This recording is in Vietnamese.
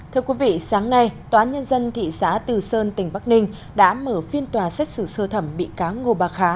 thưa quý vị sáng nay tòa nhân dân thị xã từ sơn tỉnh bắc ninh đã mở phiên tòa xét xử sơ thẩm bị cá ngô bà khá